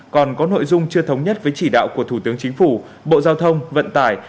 còn có nội dung chưa thống nhất với chỉ đạo của thủ tướng chính phủ bộ giao thông vận tải